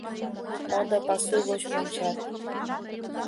Модо пасу гоч вончат.